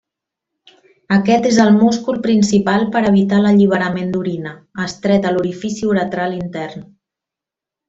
Aquest és el múscul principal per evitar l'alliberament d'orina; estreta l'orifici uretral intern.